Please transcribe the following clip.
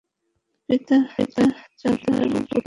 পিতা, চাচা এবং পুত্র হত্যার প্রতিশোধ আমি নেবই।